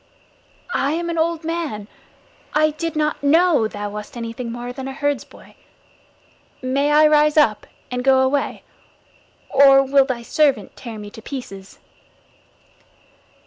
"I am an old man. I did not know that thou wast anything more than a herdsboy. May I rise up and go away, or will thy servant tear me to pieces?"